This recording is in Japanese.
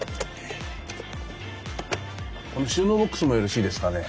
この収納ボックスもよろしいですかね？